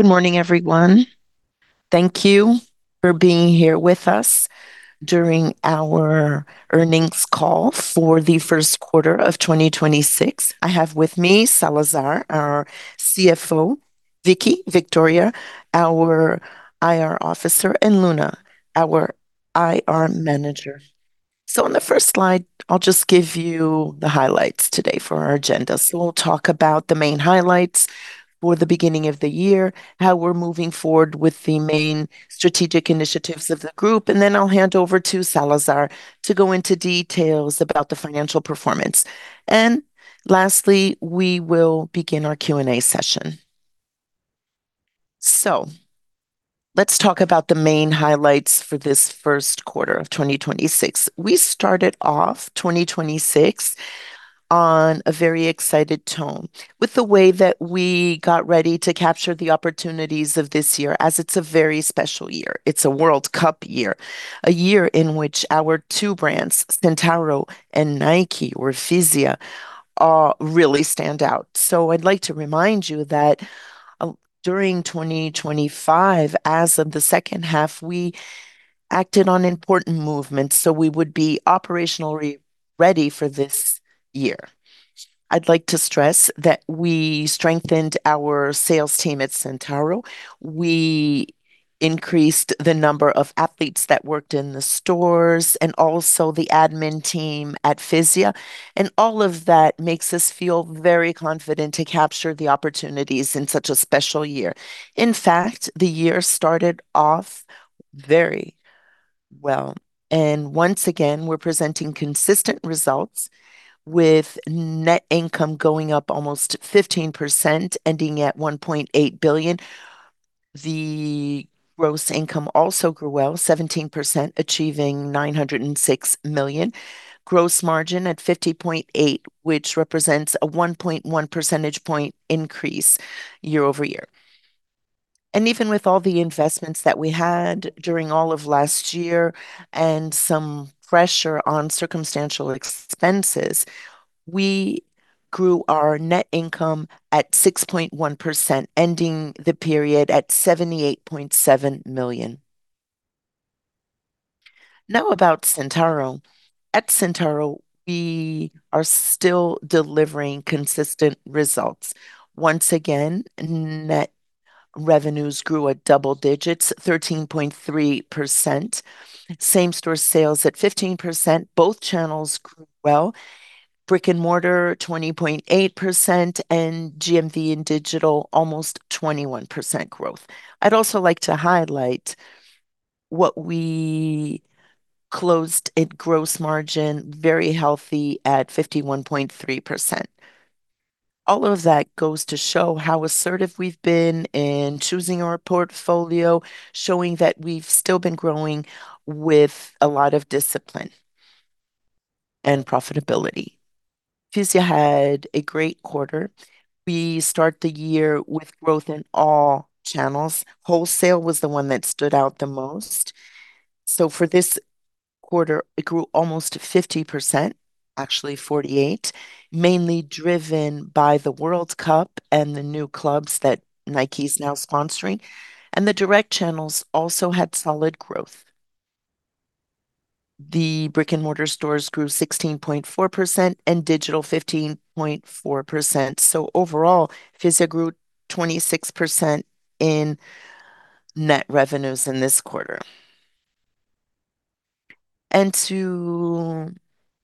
Good morning, everyone. Thank you for being here with us during our earnings call for the 1st quarter of 2026. I have with me Salazar, our CFO; Vicky, Victoria, our IR Officer; and Luna, our IR Manager. On the 1st slide, I'll just give you the highlights today for our agenda. We'll talk about the main highlights for the beginning of the year, how we're moving forward with the main strategic initiatives of the group, and then I'll hand over to Salazar to go into details about the financial performance. Lastly, we will begin our Q&A session. Let's talk about the main highlights for this 1st quarter of 2026. We started off 2026 on a very excited tone with the way that we got ready to capture the opportunities of this year, as it's a very special year. It's a World Cup year, a year in which our two brands, Centauro and Nike or Fisia, really stand out. I'd like to remind you that, during 2025, as of the second half, we acted on important movements so we would be operationally ready for this year. I'd like to stress that we strengthened our sales team at Centauro. We increased the number of athletes that worked in the stores and also the admin team at Fisia. All of that makes us feel very confident to capture the opportunities in such a special year. In fact, the year started off very well. Once again, we're presenting consistent results with net income going up almost 15%, ending at 1.8 billion. The gross income also grew well, 17%, achieving 906 million. Gross margin at 50.8%, which represents a 1.1 percentage point increase year-over-year. Even with all the investments that we had during all of last year and some pressure on circumstantial expenses, we grew our net income at 6.1%, ending the period at 78.7 million. Now about Centauro. At Centauro, we are still delivering consistent results. Once again, net revenues grew at double digits, 13.3%. Same-store sales at 15%. Both channels grew well. Brick-and-mortar, 20.8%, and GMV in digital almost 21% growth. I'd also like to highlight what we closed at gross margin, very healthy at 51.3%. All of that goes to show how assertive we've been in choosing our portfolio, showing that we've still been growing with a lot of discipline and profitability. Fisia had a great quarter. We start the year with growth in all channels. Wholesale was the one that stood out the most. For this quarter, it grew almost 50%, actually 48%, mainly driven by the World Cup and the new clubs that Nike's now sponsoring. The direct channels also had solid growth. The brick-and-mortar stores grew 16.4% and digital 15.4%. Overall, Fisia grew 26% in net revenues in this quarter. To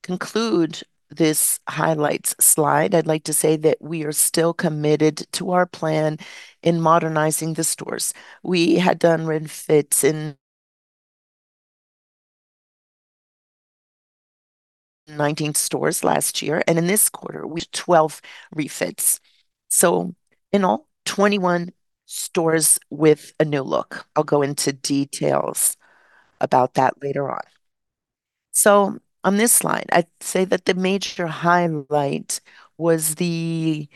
conclude this highlights slide, I'd like to say that we are still committed to our plan in modernizing the stores. We had done refits in 19 stores last year, and in this quarter we did 12 refits. In all, 21 stores with a new look. I'll go into details about that later on. On this slide, I'd say that the major highlight was the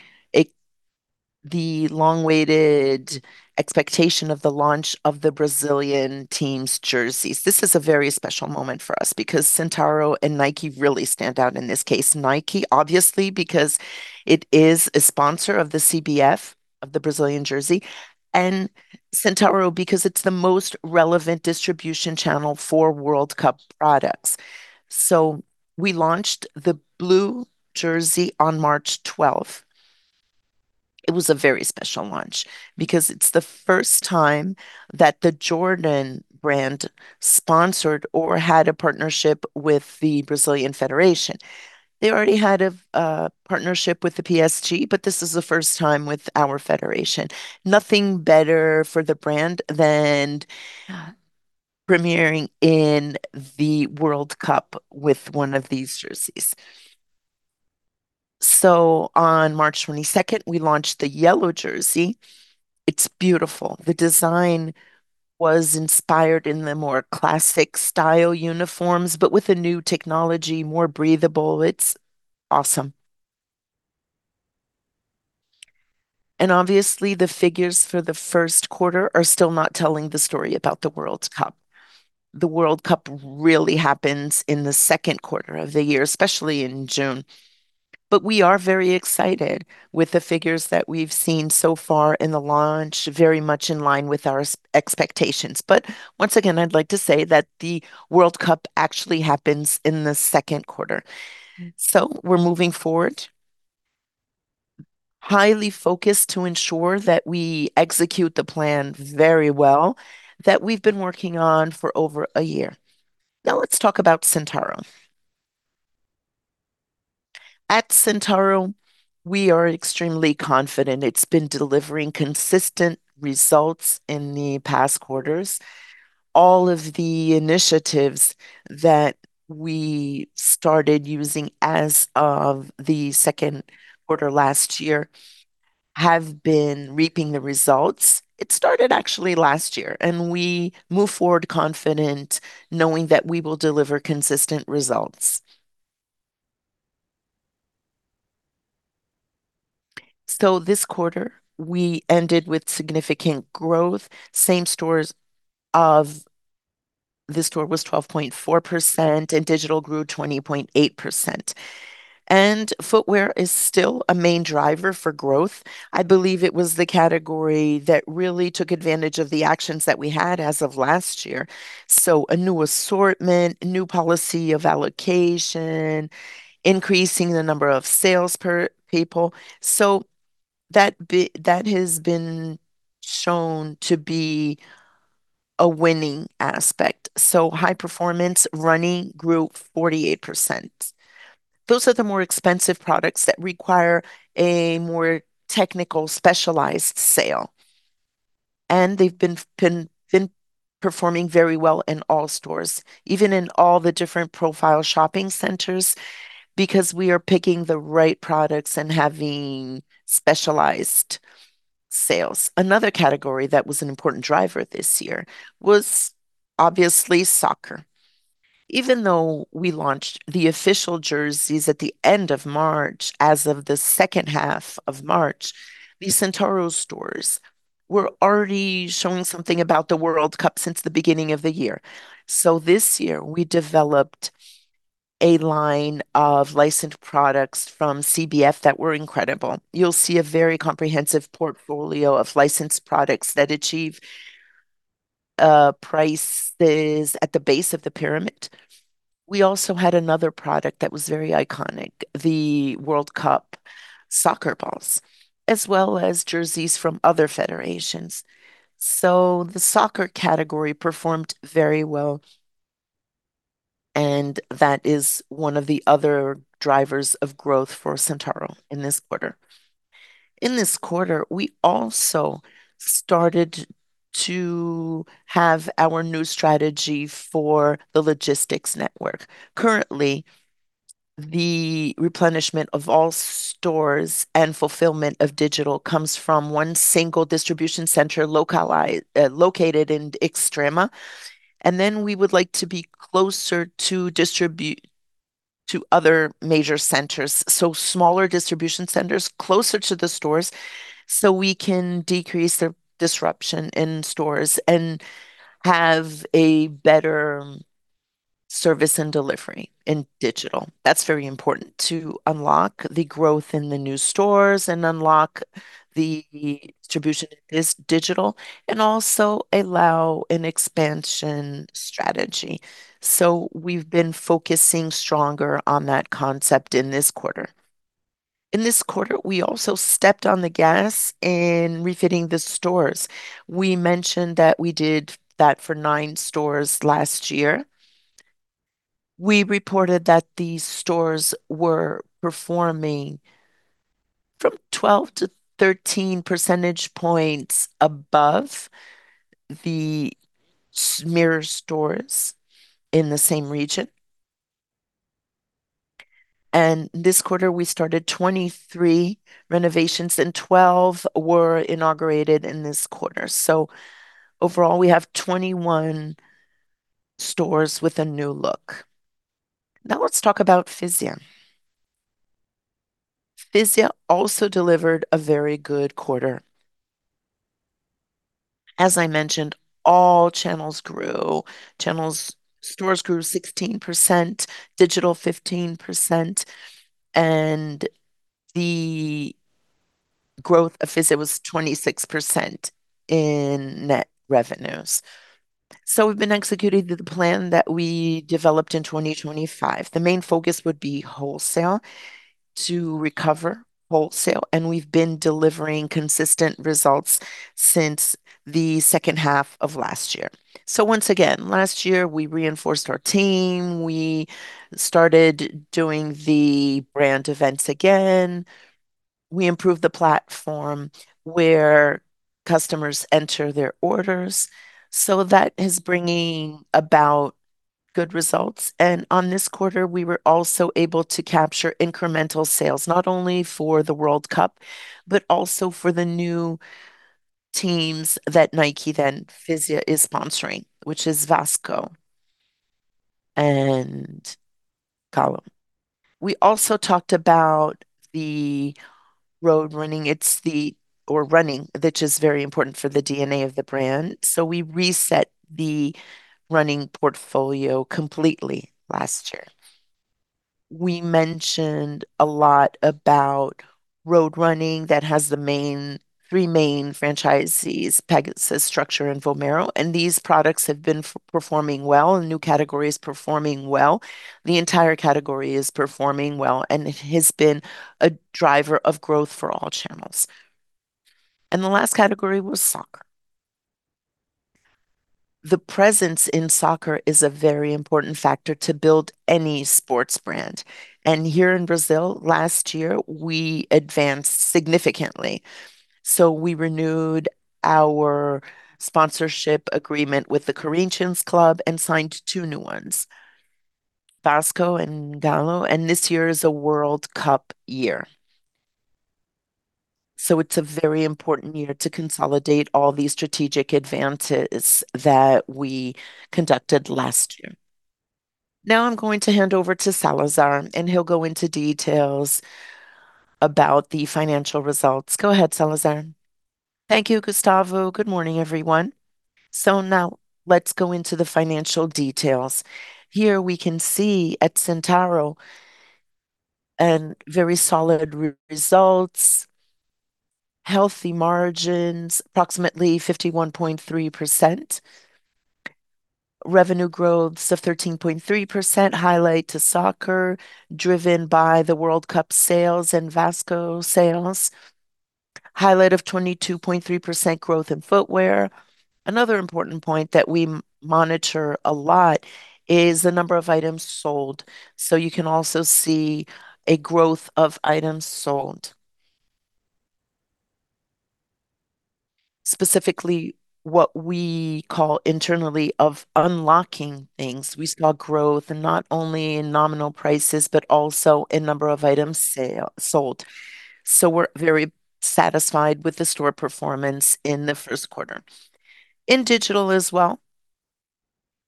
long-awaited expectation of the launch of the Brazilian team's jerseys. This is a very special moment for us because Centauro and Nike really stand out in this case. Nike, obviously, because it is a sponsor of the CBF, of the Brazilian jersey, and Centauro because it's the most relevant distribution channel for World Cup products. We launched the blue jersey on March 12th. It was a very special launch because it's the 1st time that the Jordan brand sponsored or had a partnership with the Brazilian Federation. They already had a partnership with the PSG, but this is the 1st time with our federation. Nothing better for the brand than premiering in the World Cup with one of these jerseys. On March 22nd, we launched the yellow jersey. It's beautiful. The design was inspired in the more classic style uniforms, but with a new technology, more breathable. It's awesome. Obviously, the figures for the 1st quarter are still not telling the story about the World Cup. The World Cup really happens in the second quarter of the year, especially in June. We are very excited with the figures that we've seen so far in the launch, very much in line with our expectations. Once again, I'd like to say that the World Cup actually happens in the second quarter. We're moving forward, highly focused to ensure that we execute the plan very well that we've been working on for over a year. Let's talk about Centauro. At Centauro, we are extremely confident. It's been delivering consistent results in the past quarters. All of the initiatives that we started using as of the second quarter last year have been reaping the results. It started actually last year, and we move forward confident knowing that we will deliver consistent results. This quarter, we ended with significant growth. Same-store sales was 12.4%. Digital grew 20.8%. Footwear is still a main driver for growth. I believe it was the category that really took advantage of the actions that we had as of last year. A new assortment, a new policy of allocation, increasing the number of salespeople. That has been shown to be a winning aspect. High performance running grew 48%. Those are the more expensive products that require a more technical specialized sale. They've been performing very well in all stores, even in all the different profile shopping centers, because we are picking the right products and having specialized sales. Another category that was an important driver this year was obviously soccer. Even though we launched the official jerseys at the end of March, as of the second half of March, the Centauro stores were already showing something about the World Cup since the beginning of the year. This year we developed a line of licensed products from CBF that were incredible. You'll see a very comprehensive portfolio of licensed products that achieve prices at the base of the pyramid. We also had another product that was very iconic, the World Cup soccer balls, as well as jerseys from other federations. The soccer category performed very well, and that is one of the other drivers of growth for Centauro in this quarter. In this quarter, we also started to have our new strategy for the logistics network. Currently, the replenishment of all stores and fulfillment of digital comes from one single distribution center located in Extrema. We would like to be closer to distribute to other major centers, smaller distribution centers closer to the stores. We can decrease the disruption in stores and have a better service and delivery in digital. That's very important to unlock the growth in the new stores and unlock the distribution in this digital, also allow an expansion strategy. We've been focusing stronger on that concept in this quarter. In this quarter, we also stepped on the gas in refitting the stores. We mentioned that we did that for nine stores last year. We reported that these stores were performing from 12-13 percentage points above the mirror stores in the same region. This quarter we started 23 renovations, and 12 were inaugurated in this quarter. Overall, we have 21 stores with a new look. Now let's talk about Fisia. Fisia also delivered a very good quarter. As I mentioned, all channels grew. Channels, stores grew 16%, digital 15%, and the growth of Fisia was 26% in net revenues. We've been executing the plan that we developed in 2025. The main focus would be wholesale, to recover wholesale, and we've been delivering consistent results since the second half of last year. Once again, last year we reinforced our team, we started doing the brand events again, we improved the platform where customers enter their orders. That is bringing about good results. On this quarter, we were also able to capture incremental sales, not only for the World Cup, but also for the new teams that Nike, then Fisia is sponsoring, which is Vasco and Galo. We also talked about the road running, or running, which is very important for the DNA of the brand, so we reset the running portfolio completely last year. We mentioned a lot about road running that has three main franchisees, Pegasus, Structure, and Vomero, and these products have been performing well. A new category is performing well. The entire category is performing well, and it has been a driver of growth for all channels. The last category was soccer. The presence in soccer is a very important factor to build any sports brand, and here in Brazil last year, we advanced significantly. We renewed our sponsorship agreement with the Corinthians Club and signed two new ones, Vasco and Galo, and this year is a World Cup year. It's a very important year to consolidate all the strategic advances that we conducted last year. I'm going to hand over to Salazar, and he'll go into details about the financial results. Go ahead, Salazar. Thank you, Gustavo. Good morning, everyone. Let's go into the financial details. Here we can see at Centauro, very solid results, healthy margins, approximately 51.3%, revenue growths of 13.3%, highlight to soccer, driven by the World Cup sales and Vasco sales. Highlight of 22.3% growth in footwear. Another important point that we monitor a lot is the number of items sold, you can also see a growth of items sold. Specifically what we call internally of Projeto Destrava. We saw growth, not only in nominal prices, but also in number of items sold. We're very satisfied with the store performance in the first quarter. In digital as well,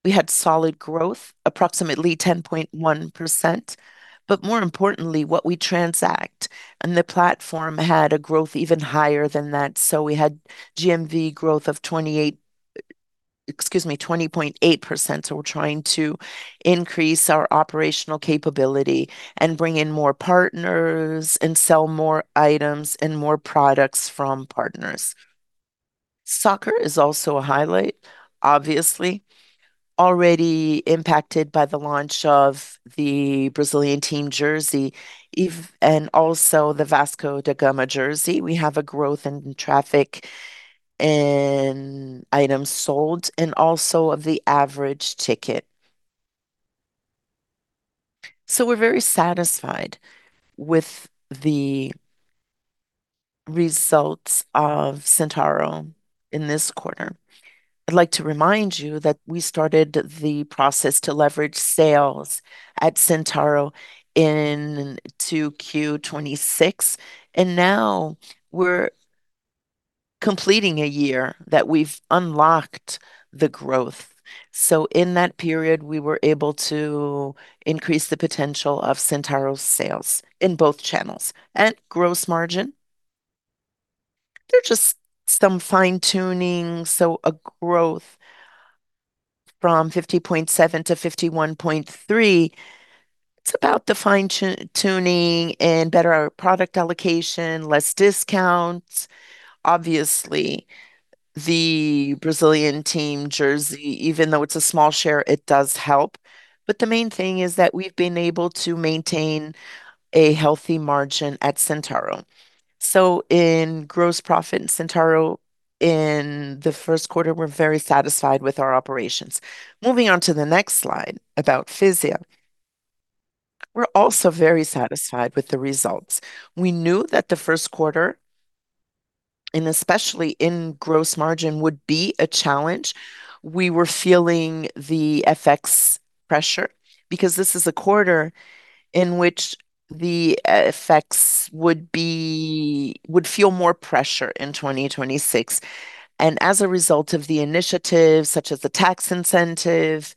we had solid growth, approximately 10.1%, but more importantly, what we transact, and the platform had a growth even higher than that. We had GMV growth of 20.8%, so we're trying to increase our operational capability and bring in more partners and sell more items and more products from partners. Soccer is also a highlight, obviously. Already impacted by the launch of the Brazilian team jersey, and also the Vasco da Gama jersey. We have a growth in traffic and items sold, and also of the average ticket. We're very satisfied with the results of Centauro in this quarter. I'd like to remind you that we started the process to leverage sales at Centauro into Q26, and now we're completing a year that we've unlocked the growth. In that period, we were able to increase the potential of Centauro's sales in both channels and gross margin. They're just some fine-tuning, a growth from 50.7% to 51.3%. It's about the fine tuning and better product allocation, less discounts. Obviously, the Brazilian team jersey, even though it's a small share, it does help. The main thing is that we've been able to maintain a healthy margin at Centauro. In gross profit in Centauro in the first quarter, we're very satisfied with our operations. Moving on to the next slide about Fisia. We're also very satisfied with the results. We knew that the first quarter, and especially in gross margin, would be a challenge. We were feeling the FX pressure because this is a quarter in which the FX would be, would feel more pressure in 2026. As a result of the initiatives such as the tax incentive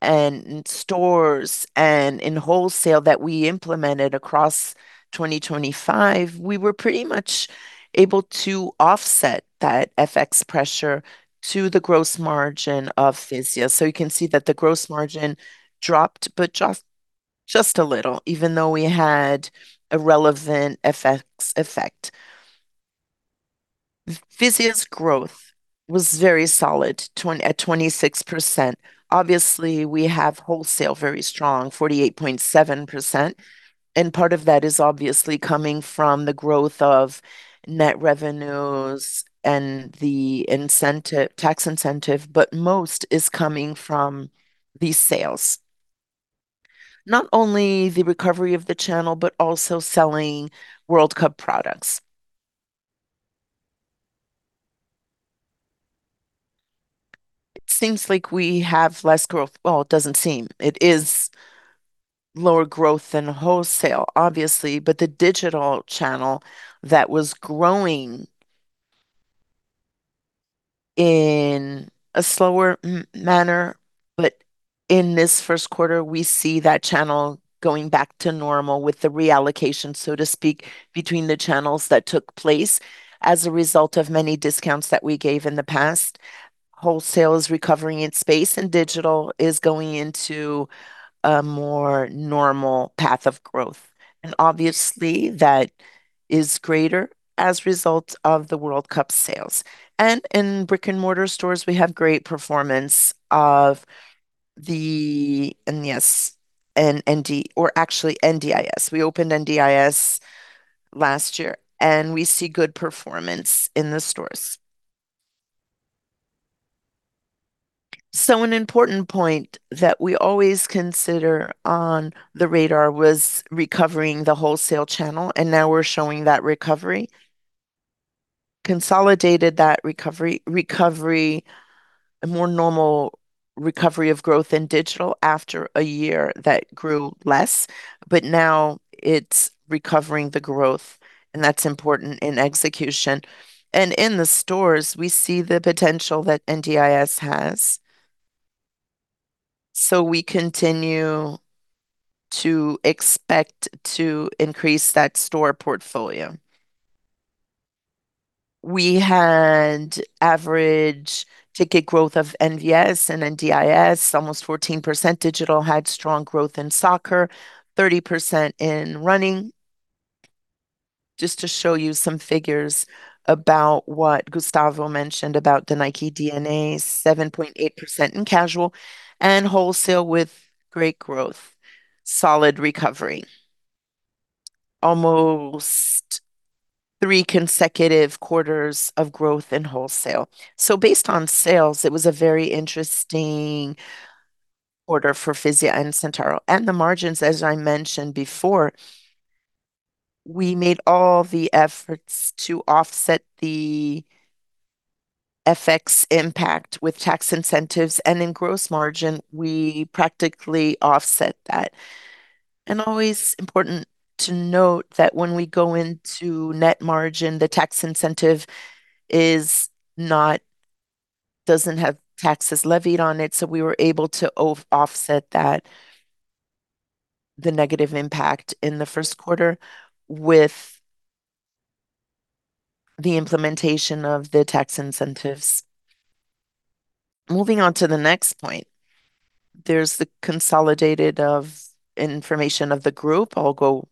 and stores and in wholesale that we implemented across 2025, we were pretty much able to offset that FX pressure to the gross margin of Fisia. You can see that the gross margin dropped, but just a little, even though we had a relevant FX effect. Fisia's growth was very solid, at 26%. Obviously, we have wholesale very strong, 48.7%, and part of that is obviously coming from the growth of net revenues and the tax incentive, but most is coming from these sales. Not only the recovery of the channel, but also selling World Cup products. It seems like we have less growth Well, it doesn't seem. It is lower growth than wholesale, obviously. The digital channel that was growing in a slower manner, in this 1st quarter we see that channel going back to normal with the reallocation, so to speak, between the channels that took place as a result of many discounts that we gave in the past. Wholesale is recovering in space and digital is going into a more normal path of growth. Obviously that is greater as a result of the World Cup sales. In brick-and-mortar stores we have great performance of the NVS and NDIS. We opened NDIS last year, and we see good performance in the stores. An important point that we always consider on the radar was recovering the wholesale channel, and now we're showing that recovery. Consolidated that recovery, a more normal recovery of growth in digital after a year that grew less. Now it's recovering the growth, and that's important in execution. In the stores, we see the potential that NDIS has. We continue to expect to increase that store portfolio. We had average ticket growth of NVS and NDIS, almost 14%. Digital had strong growth in soccer, 30% in running. Just to show you some figures about what Gustavo mentioned about the Nike DNA, 7.8% in casual, and wholesale with great growth. Solid recovery. Almost 3 consecutive quarters of growth in wholesale. Based on sales, it was a very interesting quarter for Fisia and Centauro. The margins, as I mentioned before, we made all the efforts to offset the FX impact with tax incentives, and in gross margin we practically offset that. Always important to note that when we go into net margin, the tax incentive doesn't have taxes levied on it, so we were able to offset that, the negative impact in the first quarter with the implementation of the tax incentives. Moving on to the next point. There's the consolidated of information of the group. I'll go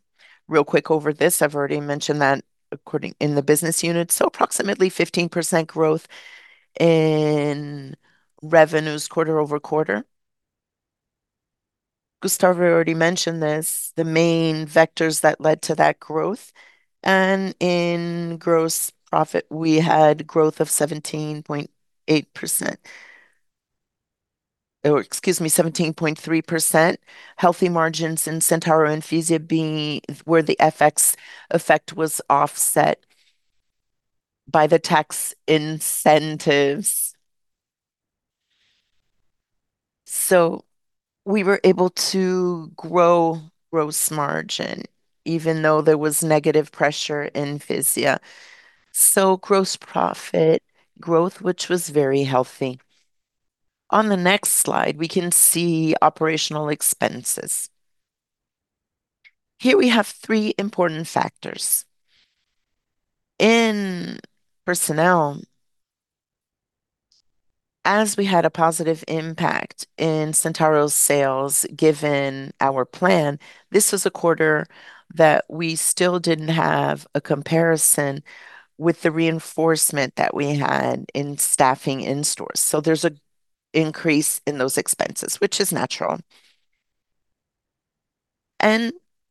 real quick over this. I've already mentioned that according in the business units. Approximately 15% growth in revenues quarter-over-quarter. Gustavo already mentioned this, the main vectors that led to that growth. In gross profit we had growth of 17.8%. Or excuse me, 17.3%. Healthy margins in Centauro and Fisia being where the FX effect was offset by the tax incentives. We were able to grow gross margin even though there was negative pressure in Fisia. Gross profit growth, which was very healthy. On the next slide we can see operational expenses. Here we have three important factors. In personnel, as we had a positive impact in Centauro's sales given our plan, this was a quarter that we still didn't have a comparison with the reinforcement that we had in staffing in stores. There's an increase in those expenses, which is natural.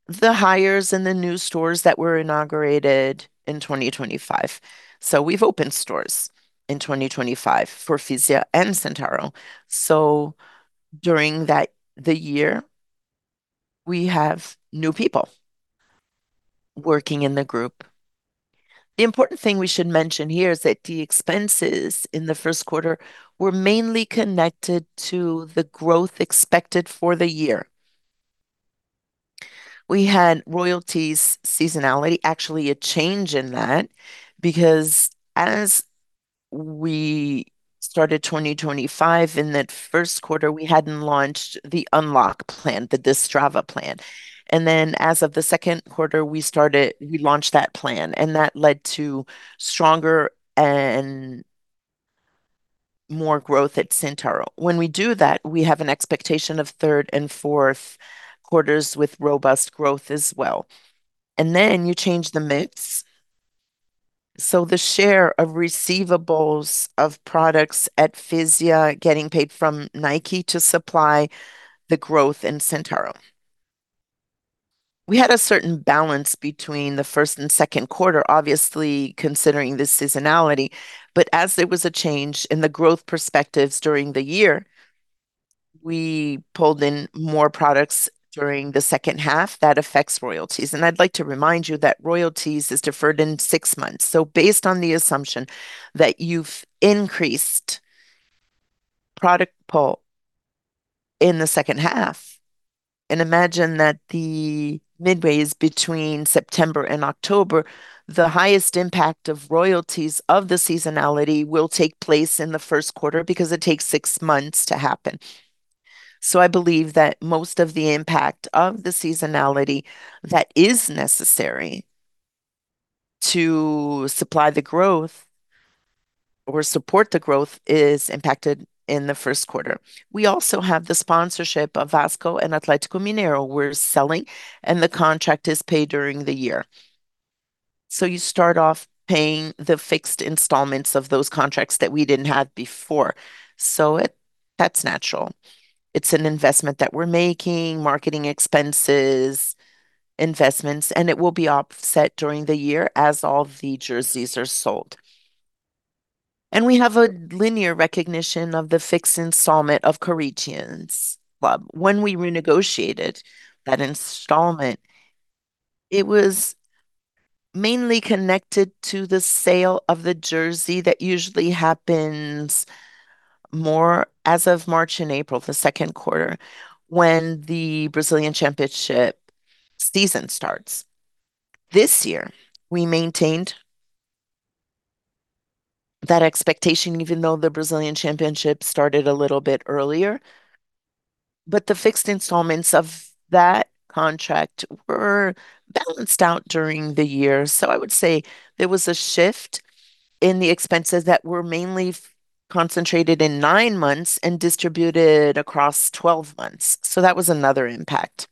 The hires in the new stores that were inaugurated in 2025. We've opened stores in 2025 for Fisia and Centauro. During that year, we have new people working in the group. The important thing we should mention here is that the expenses in the first quarter were mainly connected to the growth expected for the year. We had royalties seasonality, actually a change in that, because as we started 2025, in that first quarter we hadn't launched the Projeto Destrava. As of the second quarter, we launched that plan, and that led to stronger and more growth at Centauro. When we do that, we have an expectation of third and fourth quarters with robust growth as well. You change the mix. The share of receivables of products at Fisia getting paid from Nike to supply the growth in Centauro. We had a certain balance between the first and second quarter, obviously considering the seasonality, but as there was a change in the growth perspectives during the year, we pulled in more products during the second half. That affects royalties. I'd like to remind you that royalties is deferred in six months. Based on the assumption that you've increased-Product pull in the second half, and imagine that the midway is between September and October, the highest impact of royalties of the seasonality will take place in the first quarter because it takes 6 months to happen. I believe that most of the impact of the seasonality that is necessary to supply the growth or support the growth is impacted in the first quarter. We also have the sponsorship of Vasco and Atlético Mineiro we're selling, and the contract is paid during the year. You start off paying the fixed installments of those contracts that we didn't have before. That's natural. It's an investment that we're making, marketing expenses, investments, and it will be offset during the year as all the jerseys are sold. We have a linear recognition of the fixed installment of Corinthians Club. When we renegotiated that installment, it was mainly connected to the sale of the jersey that usually happens more as of March and April, the second quarter, when the Brazilian Championship season starts. This year, we maintained that expectation even though the Brazilian Championship started a little bit earlier. The fixed installments of that contract were balanced out during the year. I would say there was a shift in the expenses that were mainly concentrated in 9 months and distributed across 12 months. That was another impact.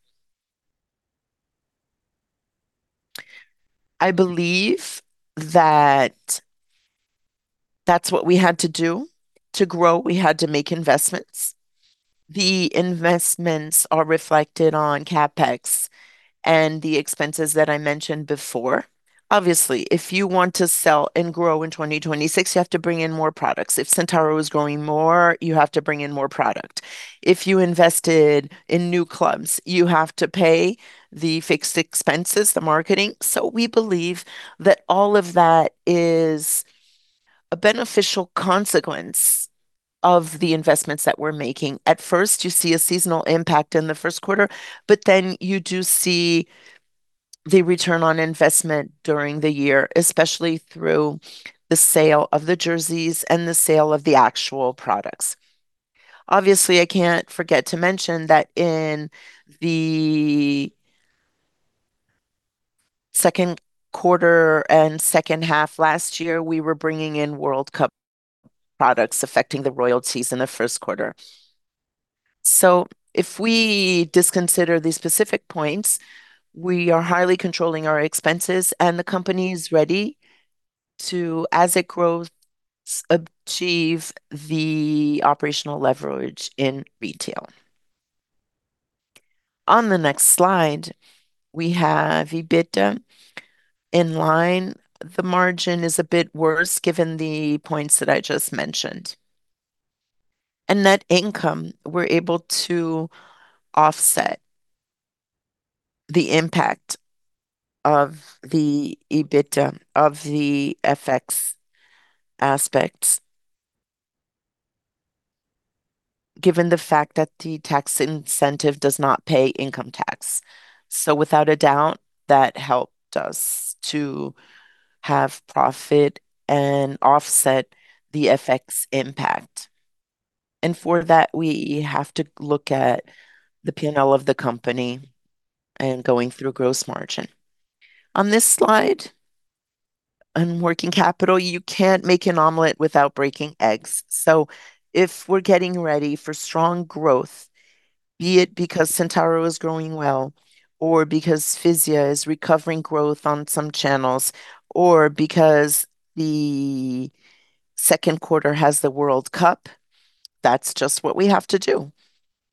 I believe that that's what we had to do. To grow, we had to make investments. The investments are reflected on CapEx and the expenses that I mentioned before. Obviously, if you want to sell and grow in 2026, you have to bring in more products. If Centauro is growing more, you have to bring in more product. If you invested in new clubs, you have to pay the fixed expenses, the marketing. We believe that all of that is a beneficial consequence of the investments that we're making. At first, you see a seasonal impact in the first quarter, but then you do see the return on investment during the year, especially through the sale of the jerseys and the sale of the actual products. Obviously, I can't forget to mention that in the second quarter and second half last year, we were bringing in World Cup products affecting the royalties in the first quarter. If we disconsider these specific points, we are highly controlling our expenses, and the company is ready to, as it grows, achieve the operational leverage in retail. On the next slide, we have EBITDA in line. The margin is a bit worse given the points that I just mentioned. Net income, we're able to offset the impact of the EBITDA, of the FX aspects, given the fact that the tax incentive does not pay income tax. Without a doubt, that helped us to have profit and offset the FX impact. For that, we have to look at the P&L of the company and going through gross margin. On this slide, on working capital, you can't make an omelet without breaking eggs. If we're getting ready for strong growth, be it because Centauro is growing well, or because Fisia is recovering growth on some channels, or because the second quarter has the World Cup, that's just what we have to do.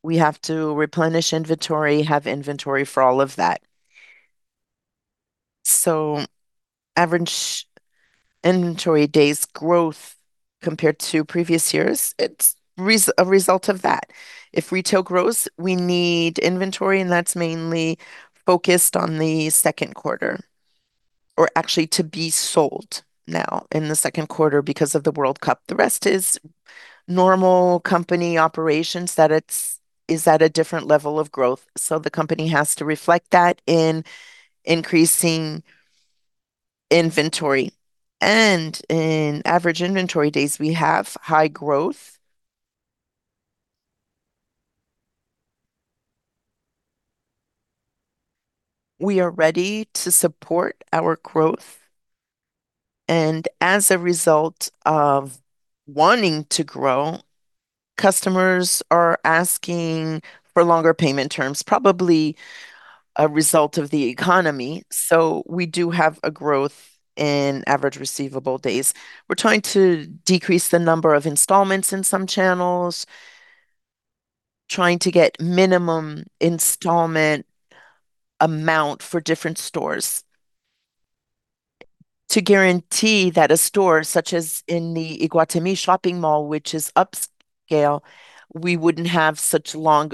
We have to replenish inventory, have inventory for all of that. Average inventory days growth compared to previous years, it's a result of that. If retail grows, we need inventory, and that's mainly focused on the second quarter, or actually to be sold now in the second quarter because of the World Cup. The rest is normal company operations that is at a different level of growth. The company has to reflect that in increasing inventory. In average inventory days, we have high growth. We are ready to support our growth. As a result of wanting to grow, customers are asking for longer payment terms, probably a result of the economy. We do have a growth in average receivable days. We're trying to decrease the number of installments in some channels, trying to get minimum installment amount for different stores to guarantee that a store such as in the Iguatemi shopping mall, which is upscale, we wouldn't have such long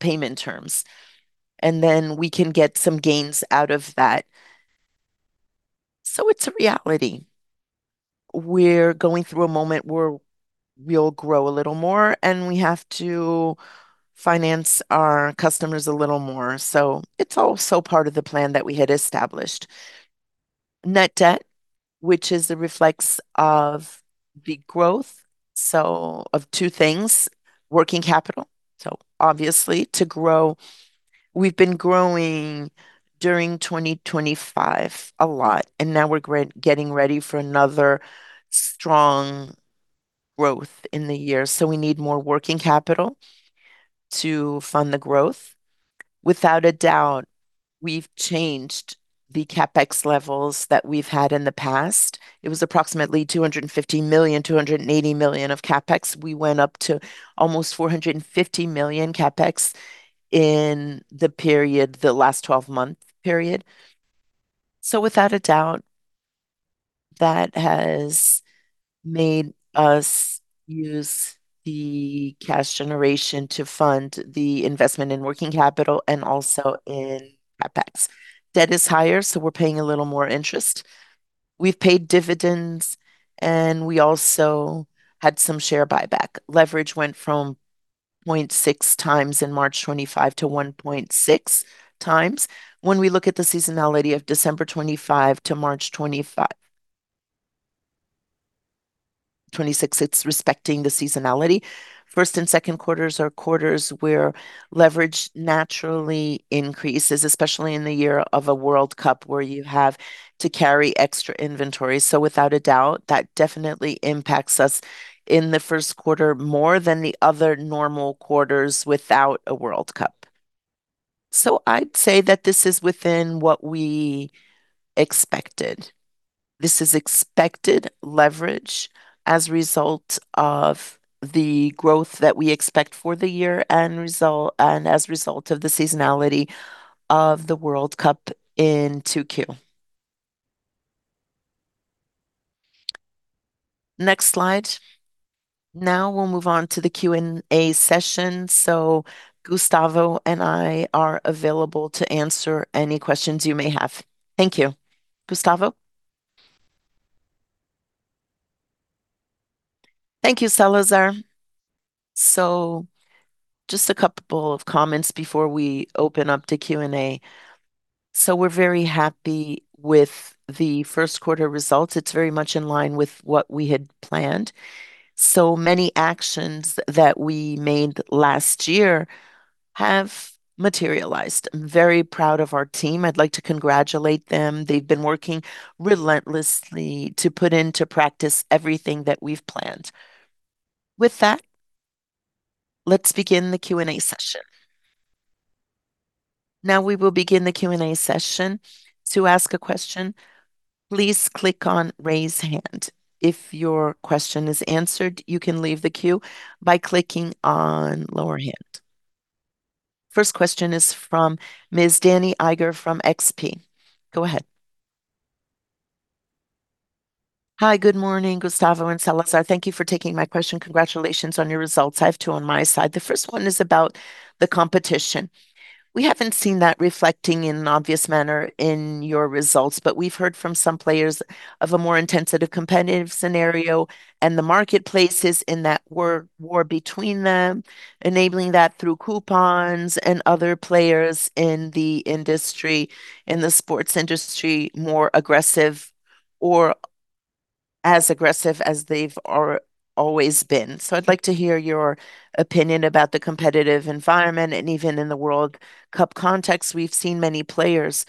payment terms. We can get some gains out of that. It's a reality. We're going through a moment where we'll grow a little more, and we have to finance our customers a little more. It's also part of the plan that we had established. Net debt, which is a reflects of the growth, of two things, working capital, obviously to grow. We've been growing during 2025 a lot, and now we're getting ready for another strong growth in the year. We need more working capital to fund the growth. Without a doubt, we've changed the CapEx levels that we've had in the past. It was approximately 250 million, 280 million of CapEx. We went up to almost 450 million CapEx in the period, the last 12-month period. Without a doubt, that has made us use the cash generation to fund the investment in working capital and also in CapEx. Debt is higher, so we're paying a little more interest. We've paid dividends, and we also had some share buyback. Leverage went from 0.6 times in March 2025 to 1.6 times. When we look at the seasonality of December 2025 to March 25, 2026, it's respecting the seasonality. First and second quarters are quarters where leverage naturally increases, especially in the year of a World Cup where you have to carry extra inventory. Without a doubt, that definitely impacts us in the first quarter more than the other normal quarters without a World Cup. I'd say that this is within what we expected. This is expected leverage as a result of the growth that we expect for the year and as a result of the seasonality of the World Cup in 2Q. Next slide. We'll move on to the Q&A session, Gustavo and I are available to answer any questions you may have. Thank you. Gustavo? Thank you, Salazar. Just a couple of comments before we open up to Q&A. We're very happy with the first quarter results. It's very much in line with what we had planned. Many actions that we made last year have materialized. I'm very proud of our team. I'd like to congratulate them. They've been working relentlessly to put into practice everything that we've planned. With that, let's begin the Q&A session. We will begin the Q&A session. To ask a question, please click on raise hand. If your question is answered, you can leave the queue by clicking on lower hand. First question is from Ms. Danniela Eiger from XP. Go ahead. Hi. Good morning, Gustavo and Salazar. Thank you for taking my question. Congratulations on your results. I have two on my side. The first one is about the competition. We haven't seen that reflecting in an obvious manner in your results, but we've heard from some players of a more intensive competitive scenario, and the marketplace is in that war between them, enabling that through coupons and other players in the industry, in the sports industry, more aggressive or as aggressive as they've always been. I'd like to hear your opinion about the competitive environment, and even in the World Cup context, we've seen many players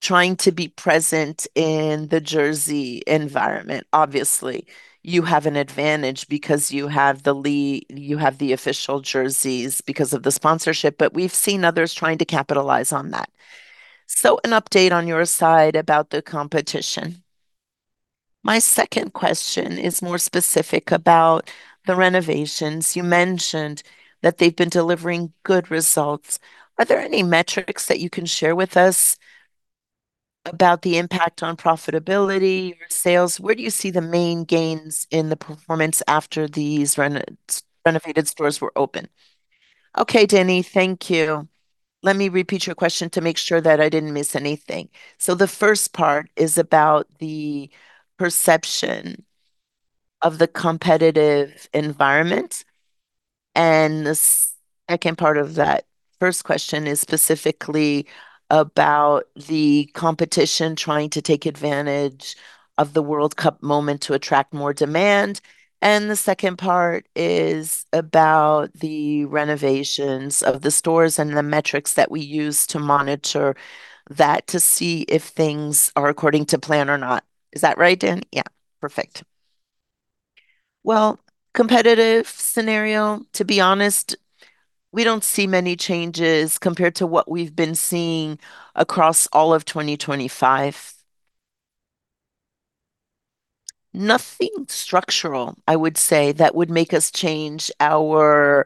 trying to be present in the jersey environment. Obviously, you have an advantage because you have the official jerseys because of the sponsorship, but we've seen others trying to capitalize on that. An update on your side about the competition. My second question is more specific about the renovations. You mentioned that they've been delivering good results. Are there any metrics that you can share with us about the impact on profitability or sales? Where do you see the main gains in the performance after these renovated stores were opened? Okay, Dani, thank you. Let me repeat your question to make sure that I didn't miss anything. The first part is about the perception of the competitive environment, and the second part of that first question is specifically about the competition trying to take advantage of the World Cup moment to attract more demand, and the second part is about the renovations of the stores and the metrics that we use to monitor that to see if things are according to plan or not. Is that right, Dani? Yeah, perfect. Competitive scenario, to be honest, we don't see many changes compared to what we've been seeing across all of 2025. Nothing structural, I would say, that would make us change our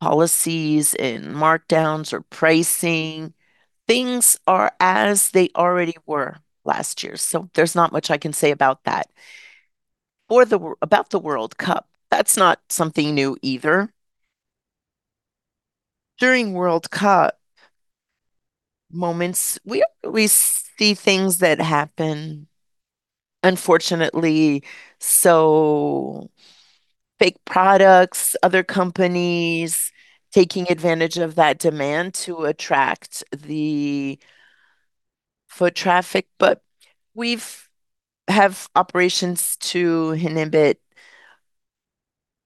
policies and markdowns or pricing. Things are as they already were last year, so there's not much I can say about that. For about the World Cup, that's not something new either. During World Cup moments, we see things that happen, unfortunately. Fake products, other companies taking advantage of that demand to attract the foot traffic. We have operations to inhibit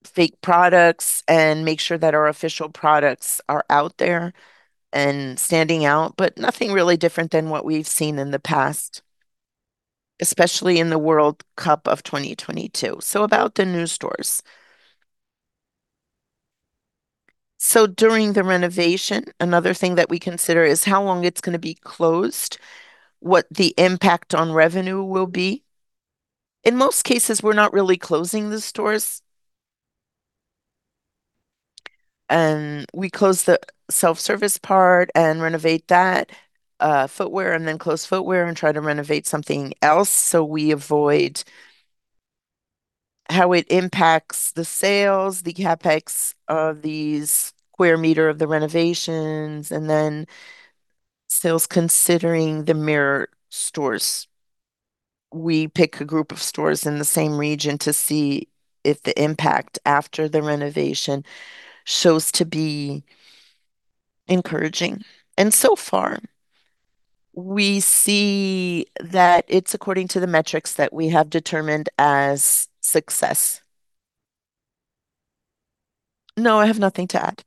fake products and make sure that our official products are out there and standing out, but nothing really different than what we've seen in the past, especially in the World Cup of 2022. About the new stores. During the renovation, another thing that we consider is how long it's going to be closed, what the impact on revenue will be. In most cases, we're not really closing the stores, and we close the self-service part and renovate that, footwear, and then close footwear and try to renovate something else so we avoid how it impacts the sales, the CapEx of these square meter of the renovations, and then sales considering the mirror stores. We pick a group of stores in the same region to see if the impact after the renovation shows to be encouraging. So far, we see that it's according to the metrics that we have determined as success. I have nothing to add.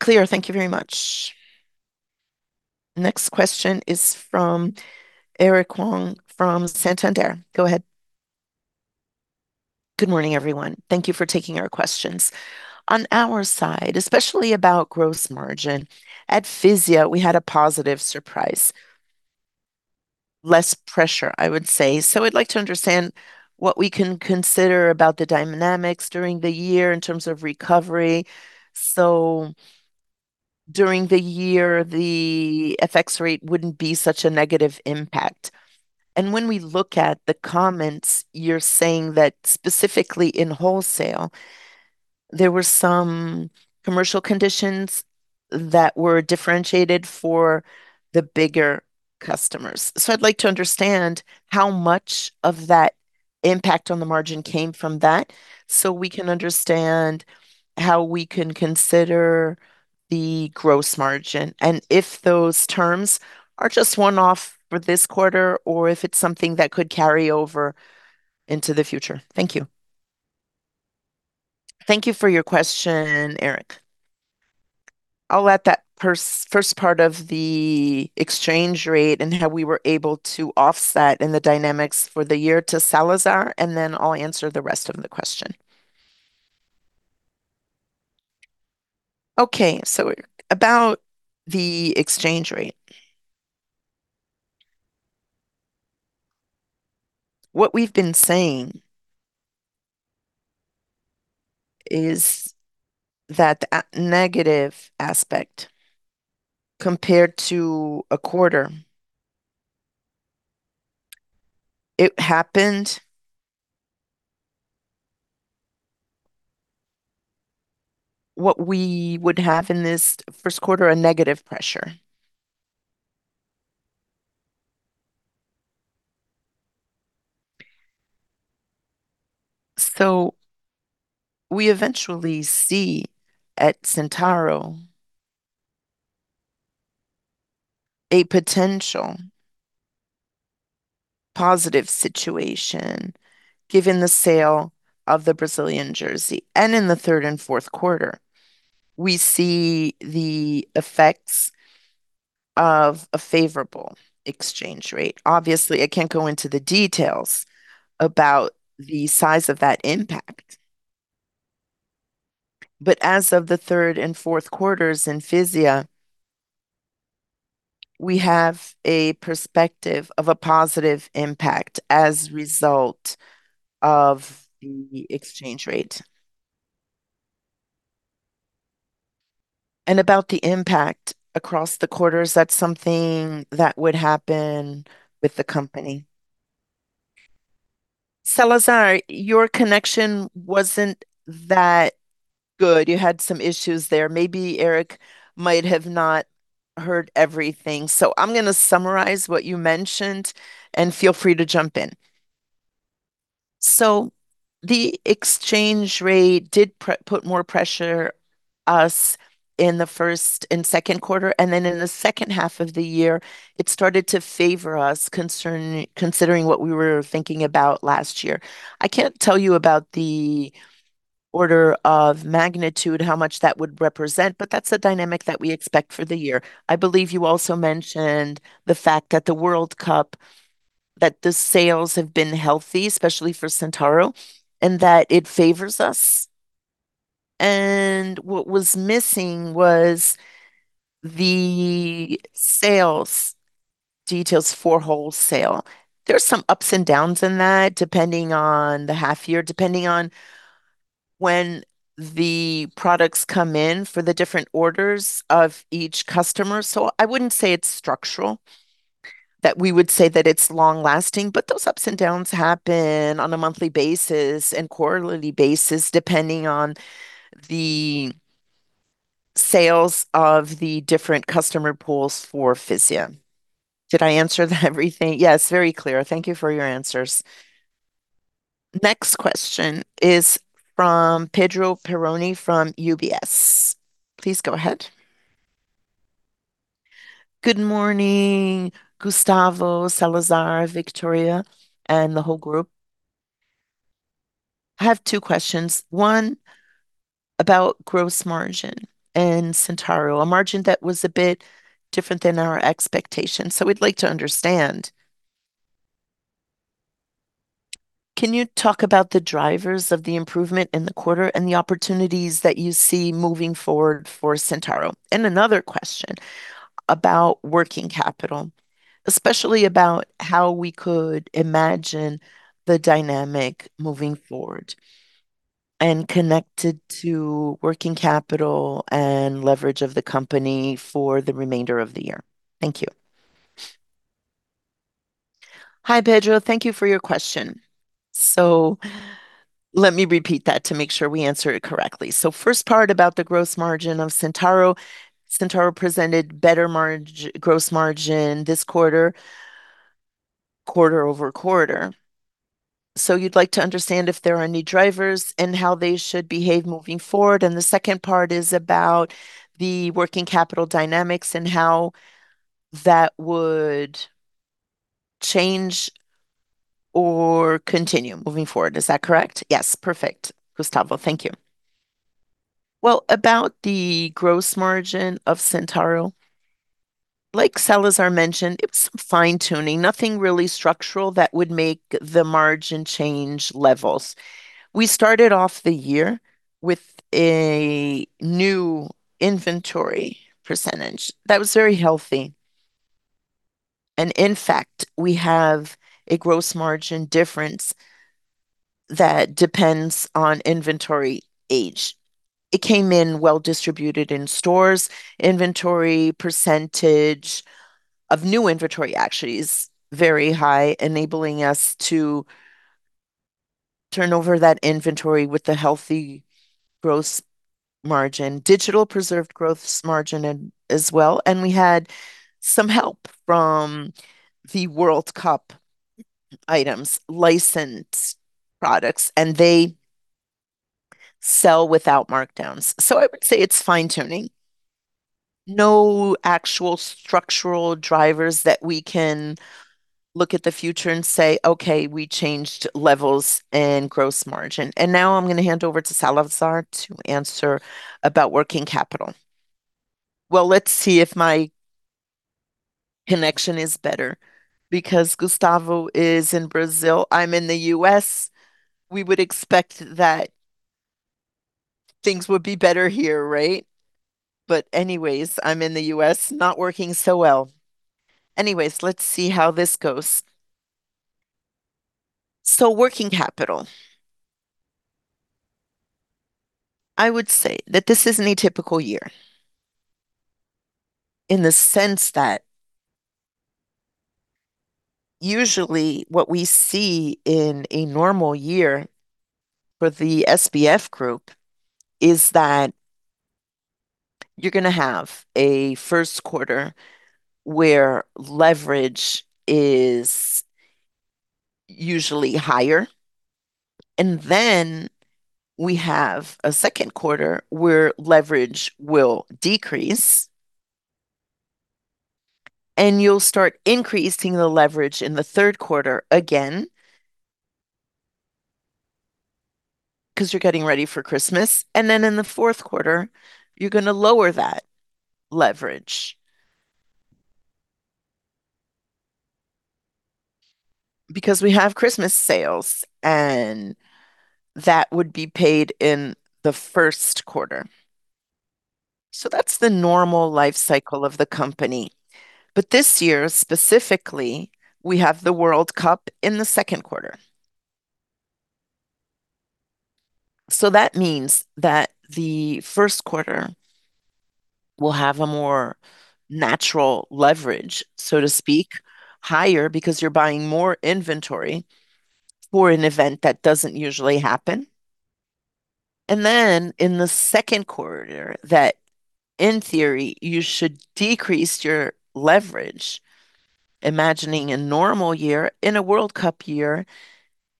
Clear. Thank you very much. Next question is from Eric Wong from Santander. Go ahead. Good morning, everyone. Thank you for taking our questions. On our side, especially about gross margin, at Fisia, we had a positive surprise. Less pressure, I would say. I'd like to understand what we can consider about the dynamics during the year in terms of recovery. During the year, the FX rate wouldn't be such a negative impact. When we look at the comments, you're saying that specifically in wholesale, there were some commercial conditions that were differentiated for the bigger customers. I'd like to understand how much of that impact on the margin came from that so we can understand how we can consider the gross margin, and if those terms are just one-off for this quarter or if it's something that could carry over into the future. Thank you. Thank you for your question, Eric. I'll let that first part of the exchange rate and how we were able to offset in the dynamics for the year to Salazar, and then I'll answer the rest of the question. Okay, about the exchange rate. What we've been saying is that a negative aspect compared to a quarter, it happened what we would have in this 1st quarter, a negative pressure. We eventually see at Centauro a potential positive situation given the sale of the Brazilian jersey. In the 3rd and 4th quarter, we see the effects of a favorable exchange rate. Obviously, I can't go into the details about the size of that impact, but as of the 3rd and 4th quarters in Fisia, we have a perspective of a positive impact as result of the exchange rate. About the impact across the quarters, that's something that would happen with the company. Salazar, your connection wasn't that good. You had some issues there. Maybe Eric might have not heard everything. I'm gonna summarize what you mentioned, and feel free to jump in. The exchange rate did put more pressure us in the 1st and 2nd quarter, and then in the second half of the year, it started to favor us considering what we were thinking about last year. I can't tell you about the order of magnitude, how much that would represent, but that's the dynamic that we expect for the year. I believe you also mentioned the fact that the World Cup, that the sales have been healthy, especially for Centauro, and that it favors us. What was missing was the sales details for wholesale. There's some ups and downs in that, depending on the half year, depending on when the products come in for the different orders of each customer. I wouldn't say it's structural. That we would say that it's long-lasting, but those ups and downs happen on a monthly basis and quarterly basis depending on the sales of the different customer pools for Fisia. Did I answer everything? Yes, very clear. Thank you for your answers. Next question is from Pedro Peroni from UBS. Please go ahead. Good morning, Gustavo, Salazar, Victoria, and the whole group. I have two questions. One, about gross margin in Centauro. A margin that was a bit different than our expectations, we'd like to understand. Can you talk about the drivers of the improvement in the quarter and the opportunities that you see moving forward for Centauro? Another question about working capital, especially about how we could imagine the dynamic moving forward, and connected to working capital and leverage of the company for the remainder of the year. Thank you. Hi, Pedro. Thank you for your question. Let me repeat that to make sure we answer it correctly. First part about the gross margin of Centauro. Centauro presented better margin, gross margin this quarter-over-quarter. You'd like to understand if there are any drivers and how they should behave moving forward, and the second part is about the working capital dynamics and how that would change or continue moving forward. Is that correct? Yes. Perfect, Gustavo. Thank you. About the gross margin of Centauro, like Salazar mentioned, it's fine-tuning. Nothing really structural that would make the margin change levels. We started off the year with a new inventory percentage that was very healthy. In fact, we have a gross margin difference that depends on inventory age. It came in well-distributed in stores. Inventory percentage of new inventory actually is very high, enabling us to turn over that inventory with a healthy gross margin. Digital preserved gross margin as well. We had some help from the World Cup items, licensed products. They sell without markdowns. I would say it's fine-tuning. No actual structural drivers that we can look at the future and say, "Okay, we changed levels and gross margin." Now I'm gonna hand over to Salazar to answer about working capital. Well, let's see if my connection is better because Gustavo is in Brazil. I'm in the U.S. We would expect that things would be better here, right? Anyways, I'm in the U.S., not working so well. Anyways, let's see how this goes. Working capital. I would say that this isn't a typical year in the sense that usually what we see in a normal year for the Grupo SBF is that you're gonna have a first quarter where leverage is usually higher, and then we have a second quarter where leverage will decrease, and you'll start increasing the leverage in the third quarter again because you're getting ready for Christmas, and then in the fourth quarter you're gonna lower that leverage because we have Christmas sales, and that would be paid in the first quarter. That's the normal life cycle of the company. This year specifically, we have the World Cup in the second quarter. That means that the first quarter will have a more natural leverage, so to speak, higher because you're buying more inventory for an event that doesn't usually happen. In the second quarter that, in theory, you should decrease your leverage, imagining a normal year. In a World Cup year,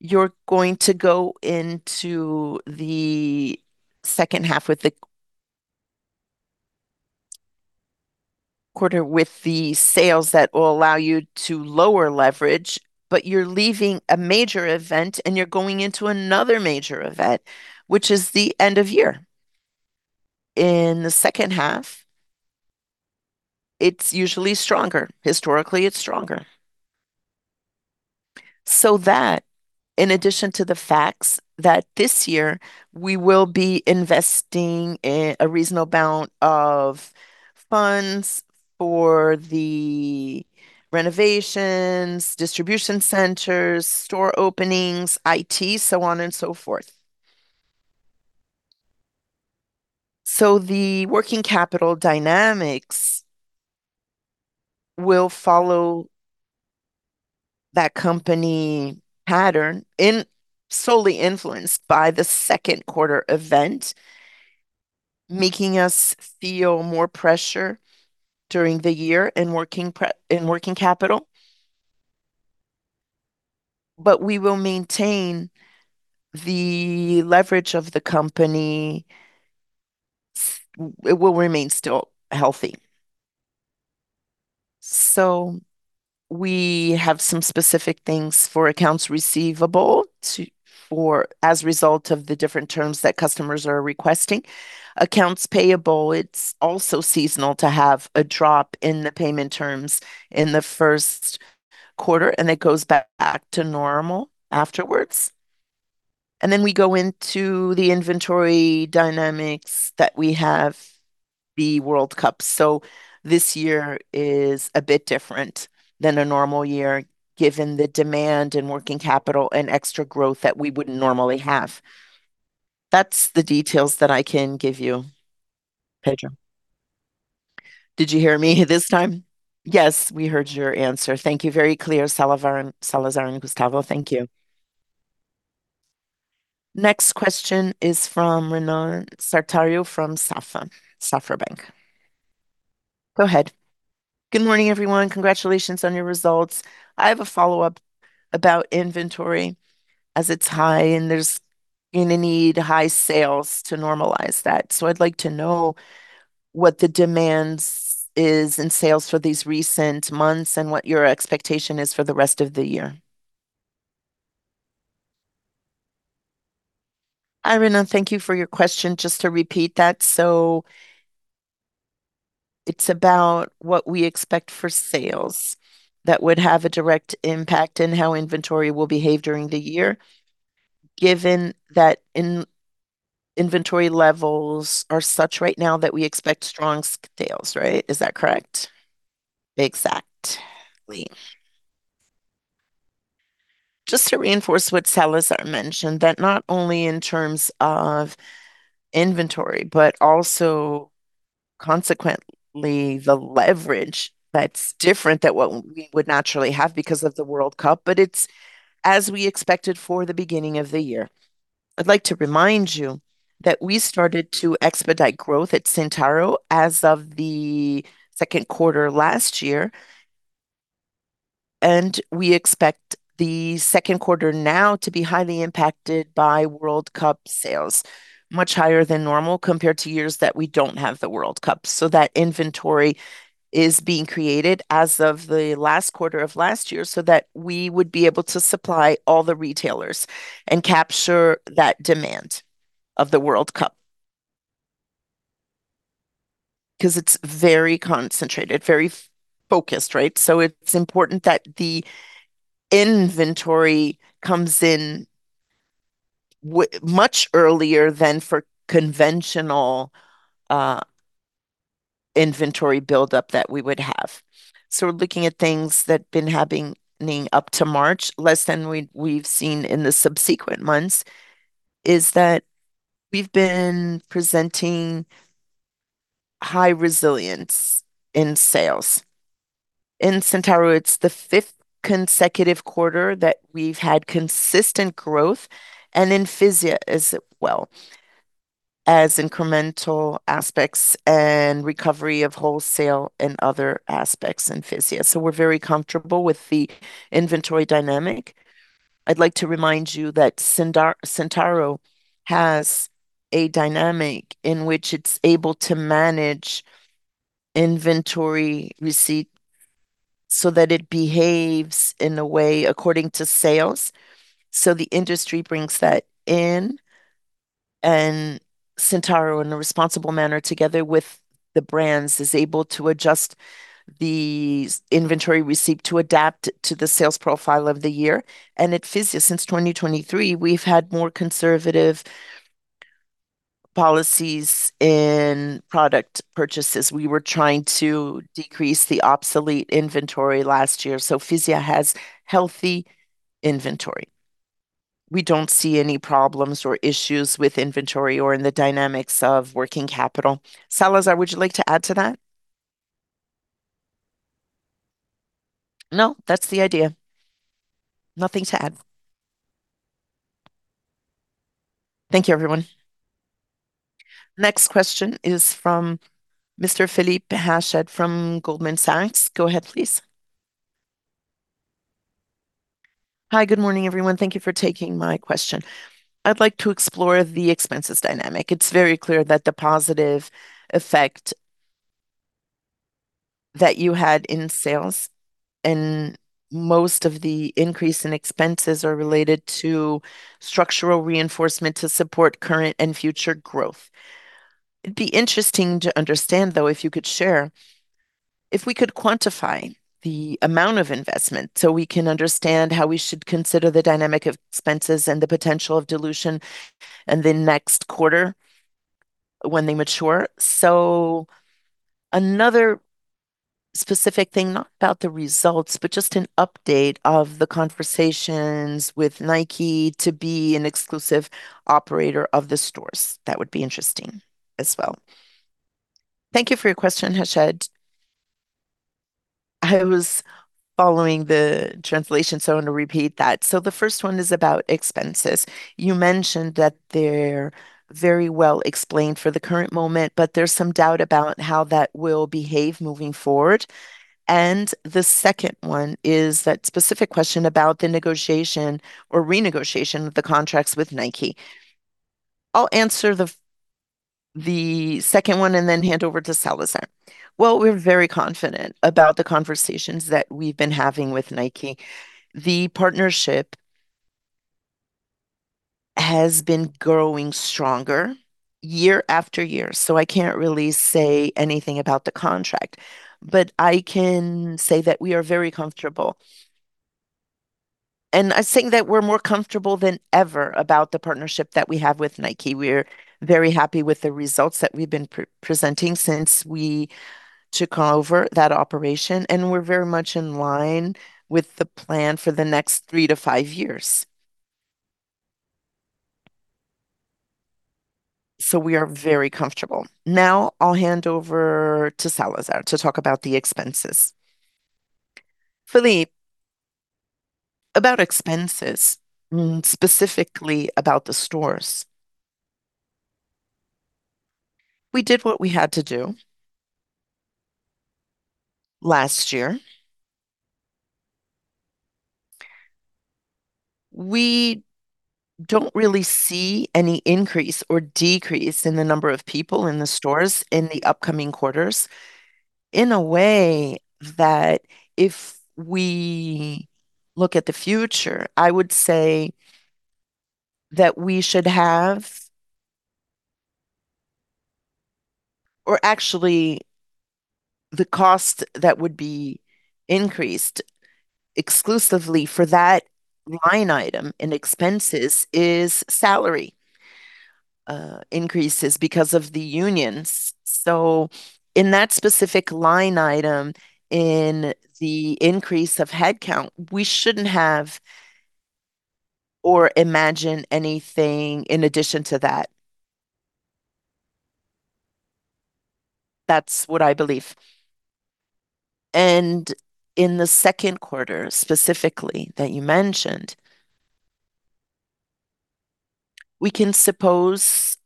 you're going to go into the second half with the quarter with the sales that will allow you to lower leverage, but you're leaving a major event and you're going into another major event, which is the end of year. In the second half, it's usually stronger. Historically, it's stronger. That, in addition to the facts that this year we will be investing a reasonable amount of funds for the renovations, distribution centers, store openings, IT, so on and so forth. The working capital dynamics will follow that company pattern in solely influenced by the second quarter event, making us feel more pressure during the year in working capital. We will maintain the leverage of the company. It will remain still healthy. We have some specific things for accounts receivable as a result of the different terms that customers are requesting. Accounts payable, it's also seasonal to have a drop in the payment terms in the first quarter, and it goes back to normal afterwards. We go into the inventory dynamics that we have the World Cup. This year is a bit different than a normal year, given the demand and working capital and extra growth that we wouldn't normally have. That's the details that I can give you. Pedro. Did you hear me this time? Yes, we heard your answer. Thank you. Very clear. Salazar and Gustavo, thank you. Next question is from Renan Sartorio from Safra Bank. Go ahead. Good morning, everyone. Congratulations on your results. I have a follow-up about inventory, as it's high and there's gonna need high sales to normalize that. I'd like to know what the demand is in sales for these recent months, and what your expectation is for the rest of the year. Hi, Renan. Thank you for your question. Just to repeat that, it's about what we expect for sales that would have a direct impact in how inventory will behave during the year, given that inventory levels are such right now that we expect strong sales, right? Is that correct? Exactly. Just to reinforce what Salazar mentioned, that not only in terms of inventory, but also consequently the leverage that's different than what we would naturally have because of the World Cup. It's as we expected for the beginning of the year. I'd like to remind you that we started to expedite growth at Centauro as of the second quarter last year. We expect the second quarter now to be highly impacted by World Cup sales. Much higher than normal compared to years that we don't have the World Cup. That inventory is being created as of the last quarter of last year so that we would be able to supply all the retailers and capture that demand of the World Cup. 'Cause it's very concentrated, very focused, right? It's important that the inventory comes in much earlier than for conventional inventory buildup that we would have. We're looking at things that been happening up to March, less than we've seen in the subsequent months, is that we've been presenting high resilience in sales. In Centauro, it's the fifth consecutive quarter that we've had consistent growth, and in Fisia as well, as incremental aspects and recovery of wholesale and other aspects in Fisia. We're very comfortable with the inventory dynamic. I'd like to remind you that Centauro has a dynamic in which it's able to manage inventory receipt so that it behaves in a way according to sales. The industry brings that in, and Centauro, in a responsible manner together with the brands, is able to adjust the inventory receipt to adapt to the sales profile of the year. At Fisia, since 2023, we've had more conservative policies in product purchases. We were trying to decrease the obsolete inventory last year, so Fisia has healthy inventory. We don't see any problems or issues with inventory or in the dynamics of working capital. Salazar, would you like to add to that? No, that's the idea. Nothing to add. Thank you, everyone. Next question is from Mr. Philippe Hached from Goldman Sachs. Go ahead, please. Hi. Good morning, everyone. Thank you for taking my question. I'd like to explore the expenses dynamic. It's very clear that the positive effect that you had in sales, and most of the increase in expenses are related to structural reinforcement to support current and future growth. It'd be interesting to understand though, if you could share, if we could quantify the amount of investment so we can understand how we should consider the dynamic expenses and the potential of dilution in the next quarter when they mature. Another specific thing, not about the results, but just an update of the conversations with Nike to be an exclusive operator of the stores. That would be interesting as well. Thank you for your question, Hached. I was following the translation, so I'm going to repeat that. The first one is about expenses. You mentioned that they're very well explained for the current moment, but there's some doubt about how that will behave moving forward. The second one is that specific question about the negotiation or renegotiation with the contracts with Nike. I'll answer the second one and then hand over to Salazar. Well, we're very confident about the conversations that we've been having with Nike. The partnership has been growing stronger year after year, so I can't really say anything about the contract, but I can say that we are very comfortable. I think that we're more comfortable than ever about the partnership that we have with Nike. We're very happy with the results that we've been presenting since we took over that operation, and we're very much in line with the plan for the next three to five years. We are very comfortable. I'll hand over to Salazar to talk about the expenses. Philippe, about expenses, specifically about the stores. We did what we had to do last year. We don't really see any increase or decrease in the number of people in the stores in the upcoming quarters. In a way that if we look at the future, I would say that we should have actually the cost that would be increased exclusively for that line item in expenses is salary increases because of the unions. In that specific line item in the increase of head count, we shouldn't have or imagine anything in addition to that. That's what I believe. In the second quarter, specifically that you mentioned, we can suppose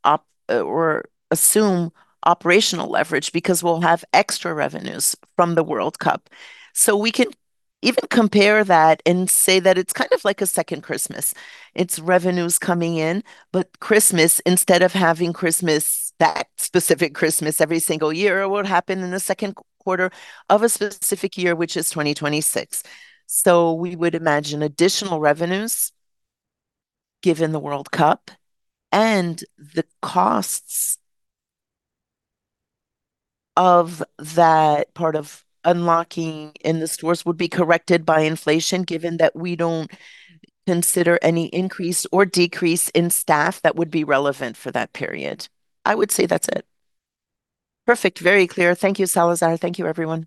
or assume operational leverage because we'll have extra revenues from the World Cup. We can even compare that and say that it's kind of like a second Christmas. It's revenues coming in. Christmas, instead of having that specific Christmas every single year, it would happen in the second quarter of a specific year, which is 2026. We would imagine additional revenues given the World Cup. The costs of that part of unlocking in the stores would be corrected by inflation given that we don't consider any increase or decrease in staff that would be relevant for that period. I would say that's it. Perfect. Very clear. Thank you, Salazar. Thank you, everyone.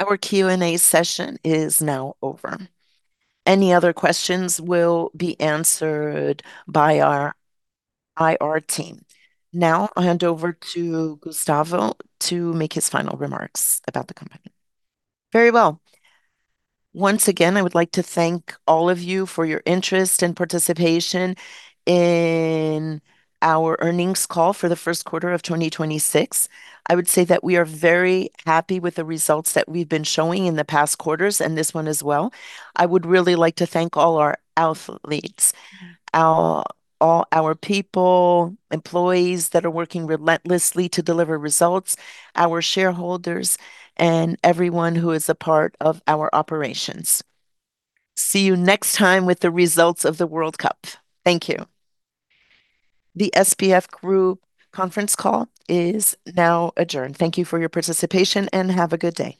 Our Q&A session is now over. Any other questions will be answered by our IR team. Now, I hand over to Gustavo to make his final remarks about the company. Very well. Once again, I would like to thank all of you for your interest and participation in our earnings call for the 1st quarter of 2026. I would say that we're very happy with the results that we've been showing in the past quarters and this one as well. I would really like to thank all our athletes, all our people, employees that are working relentlessly to deliver results, our shareholders, and everyone who is a part of our operations. See you next time with the results of the World Cup. Thank you. The Grupo SBF conference call is now adjourned. Thank you for your participation, and have a good day